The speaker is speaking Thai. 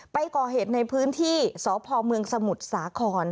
ไปก่อเหตุในพื้นที่สพเมืองสมุทรสาคร